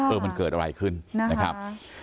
เออมันเกิดอะไรขึ้นนะครับ